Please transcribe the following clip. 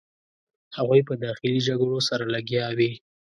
هغوی په داخلي جګړو سره لګیا وې.